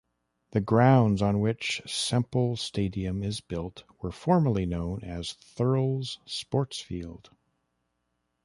The grounds on which Semple Stadium is built were formerly known as Thurles Sportsfield.